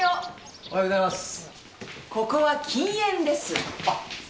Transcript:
おはようございます。